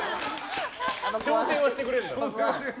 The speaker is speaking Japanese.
挑戦はしてくれるんだ。